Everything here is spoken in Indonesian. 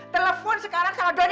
telepon sekarang sama doni